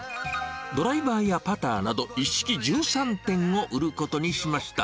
ドライバーやパターなど、一式１３点を売ることにしました。